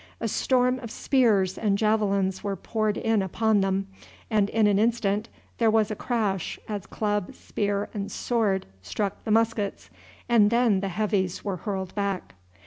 A storm of spears and javelins were poured in upon them, and in an instant there was a crash as club, spear, and sword struck the muskets, and then the Heavies were hurled back.